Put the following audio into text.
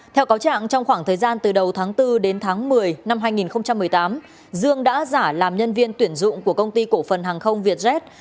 theo cáo trạng trong khoảng thời gian từ đầu tháng bốn đến tháng một mươi năm hai nghìn một mươi tám dương đã giả làm nhân viên tuyển dụng của công ty cổ phần hàng không vietjet